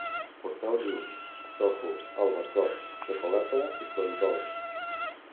Portau lluç, tofu, albercocs, xocolata i floricols